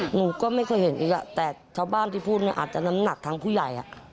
หนูก็ไม่เคยเห็นอีกแต่ชาวบ้านที่พูดเนี่ยอาจจะน้ำหนักทางผู้ใหญ่